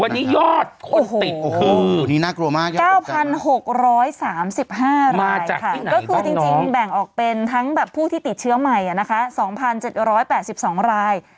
วันนี้ยอดคนติดคือ๙๖๓๕รายค่ะก็คือจริงแบ่งออกเป็นทั้งแบบผู้ที่ติดเชื้อใหม่นะคะ๒๗๘๒ราย